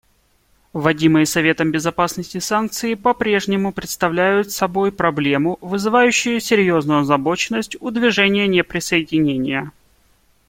Вводимые Советом Безопасности санкции попрежнему представляют собой проблему, вызывающую серьезную озабоченность у Движения неприсоединения.